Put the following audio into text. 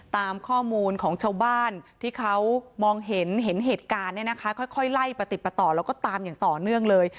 ตามข้อมูลของชาวบ้านที่เขามองเห็นเห็นเหตุการณ์เนี่ยนะคะค่อยไล่ประติดประต่อแล้วก็ตามอย่างต่อเนื่องเลย